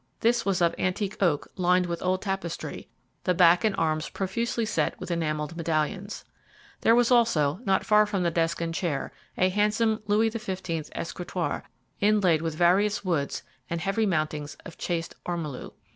This was of antique oak lined with old tapestry, the back and arms profusely set with enamelled medallions. There was also, not far from the desk and chair, a handsome Louis XV. escritoire, inlaid with various woods and heavy mountings of chased ormolu.